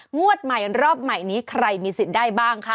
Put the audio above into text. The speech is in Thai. งวดใหม่รอบใหม่นี้ใครมีสิทธิ์ได้บ้างคะ